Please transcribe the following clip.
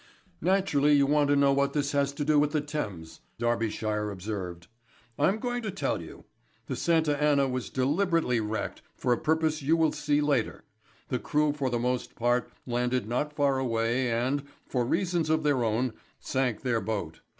"Naturally you want to know what this has to do with the Thames," Darbyshire observed. "I'm going to tell you. The Santa Anna was deliberately wrecked for a purpose which you will see later. The crew for the most part landed not far away and, for reasons of their own, sank their boat.